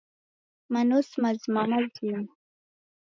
Manosi mazima-mazima